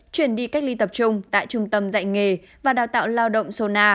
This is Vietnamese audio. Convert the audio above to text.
chuyển đi cách ly tập trung tại trung tâm dạy nghề và đào tạo lao động sona